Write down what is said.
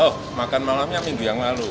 oh makan malamnya minggu yang lalu